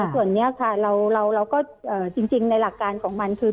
ส่วนนี้ค่ะเราก็จริงในหลักการของมันคือ